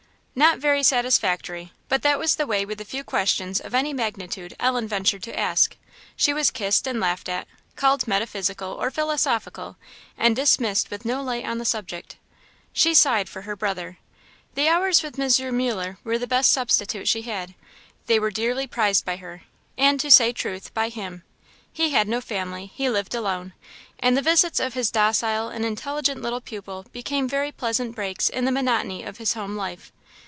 Not very satisfactory; but that was the way with the few questions of any magnitude Ellen ventured to ask; she was kissed and laughed at, called metaphysical or philosophical, and dismissed with no light on the subject. She sighed for her brother. The hours with M. Muller were the best substitute she had; they were dearly prized by her, and, to say truth, by him. He had no family, he lived alone; and the visits of his docile and intelligent little pupil became very pleasant breaks in the monotony of his home life.